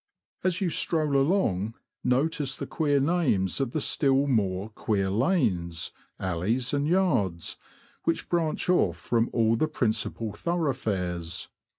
As you stroll along, notice the queer names of the still more queer lanes, alleys, and yards, which branch off from all the principal thoroughfares.